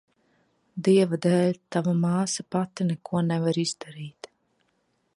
Dieva dēļ, tava māsa pati neko nevar izdarīt.